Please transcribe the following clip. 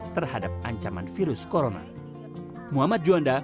terhadap ancaman virus corona